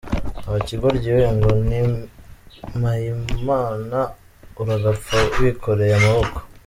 Wa kigoryi we ngo ni mpayimana, uragapfa wikoreye amaboko.